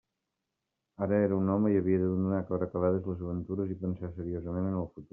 Ara era un home i havia de donar per acabades les aventures i pensar seriosament en el futur.